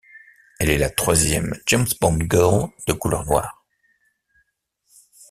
Elle est la troisième James Bond Girl de couleur noire.